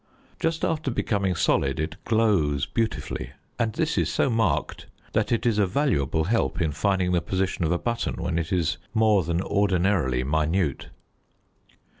Just after becoming solid it glows beautifully, and this is so marked that it is a valuable help in finding the position of a button when it is more than ordinarily minute.